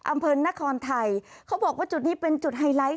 อำเภอนครไทยเขาบอกว่าจุดนี้เป็นจุดไฮไลท์